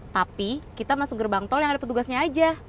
tapi kita masuk gerbang tol yang ada petugasnya aja